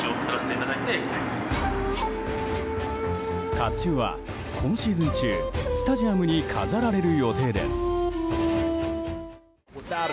甲冑は今シーズン中スタジアムに飾られる予定です。